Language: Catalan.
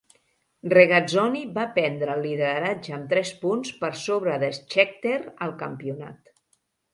Regazzoni va prendre el lideratge amb tres punts per sobre de Scheckter al campionat.